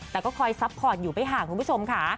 แต่ก็คอยซัพพอร์ตอยู่ไม่ห่างคุณผู้ชมค่ะ